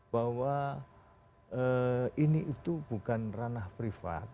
bahwa ini itu bukan ranah privat